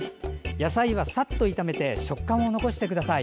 野菜はさっと炒めて食感を残してください。